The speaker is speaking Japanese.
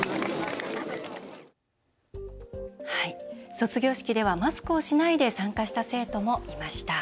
卒業式ではマスクをしないで参加した生徒もいました。